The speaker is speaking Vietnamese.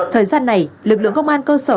thời gian này lực lượng công an cơ sở